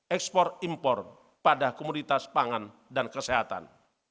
ekspor impor pada komoditas pangan dan kesehatan